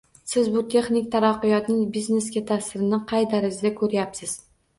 Siz bu texnik taraqqiyotning biznesga taʼsirini qay darajada koʻryapsiz?